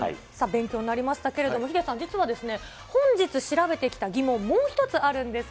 勉強になりましたけれども、ヒデさん、実は本日調べてきた疑問、もう一つあるんです。